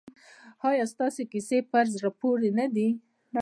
ایا ستاسو کیسې په زړه پورې نه دي؟